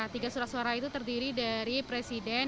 tiga surat suara itu terdiri dari presiden